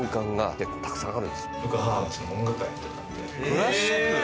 クラシック！